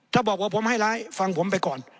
ถ้าบอกว่าผมให้ร้ายฟังผมไปก่อน